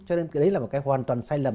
cho nên cái đấy là một cái hoàn toàn sai lầm